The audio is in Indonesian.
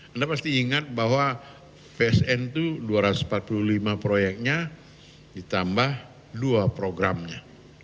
anda pasti ingat bahwa psn itu dua ratus empat puluh lima proyeknya ditambah dua programnya